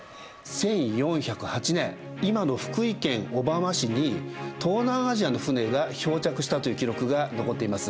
１４０８年今の福井県小浜市に東南アジアの船が漂着したという記録が残っています。